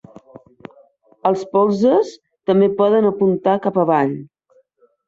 Els polzes també poden apuntar cap avall.